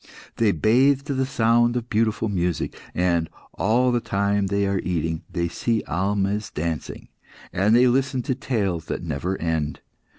"They bathe to the sound of beautiful music, and, all the time they are eating, they see almehs dancing, and they listen to tales that never end.